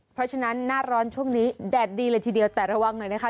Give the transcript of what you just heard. เพราะฉะนั้นหน้าร้อนช่วงนี้แดดดีเลยทีเดียวแต่ระวังหน่อยนะคะ